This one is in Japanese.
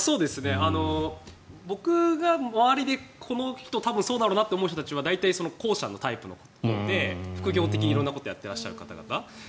僕が周りでこの人多分そうだろうなと思う人たちは大体、後者のタイプのほうで副業的に色んなことをやってらっしゃる方々。